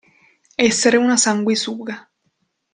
Essere una sanguisuga.